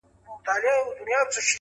خدایه ملیار مي له ګلونو سره لوبي کوي.!